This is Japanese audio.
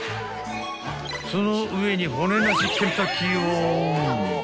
［その上に骨なしケンタッキーを］